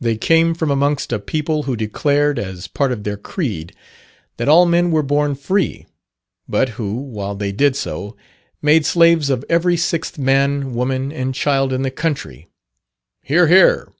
They came from amongst a people who declared, as part of their creed, that all men were born free, but who, while they did so, made slaves of every sixth man, woman, and child in the country (hear, hear).